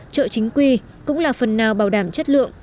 chợ chính quy cũng là phần nào bảo đảm chất lượng